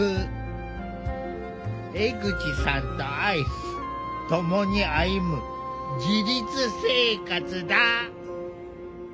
江口さんとアイス共に歩む自立生活だ。